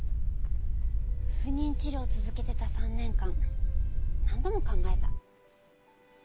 不妊治療を続けてた３年間何度も考えた。